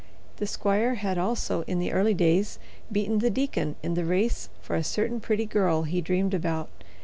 The squire had also in the early days beaten the deacon in the race for a certain pretty girl he dreamed about.